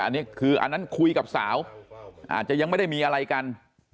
อันนี้คืออันนั้นคุยกับสาวอาจจะยังไม่ได้มีอะไรกัน